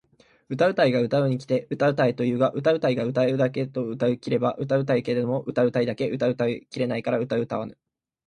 歌うたいが歌うたいに来て歌うたえと言うが歌うたいが歌うたうだけうたい切れば歌うたうけれども歌うたいだけ歌うたい切れないから歌うたわぬ！？